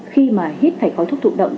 khi mà hít phải khói thuốc thụ động